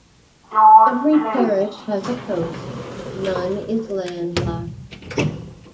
Every parish has a coast; none is landlocked.